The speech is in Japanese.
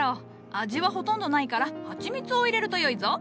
味はほとんどないからハチミツを入れると良いぞ。